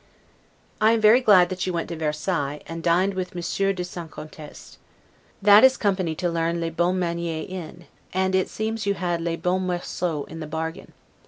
I am very glad that you went to Versailles, and dined with Monsieur de St. Contest. That is company to learn 'les bonnes manieres' in; and it seems you had 'les bonnes morceaux' into the bargain.